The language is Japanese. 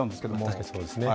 確かにそうですね。